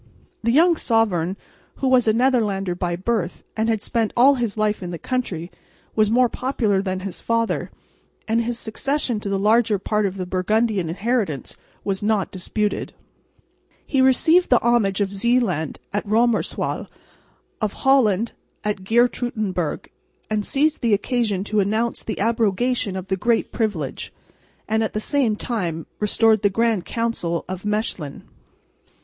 The young sovereign, who was a Netherlander by birth and had spent all his life in the country, was more popular than his father; and his succession to the larger part of the Burgundian inheritance was not disputed. He received the homage of Zeeland at Roemerswaal, of Holland at Geertruidenburg, and seized the occasion to announce the abrogation of the Great Privilege, and at the same time restored the Grand Council at Mechlin.